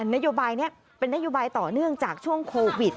นโยบายนี้เป็นนโยบายต่อเนื่องจากช่วงโควิด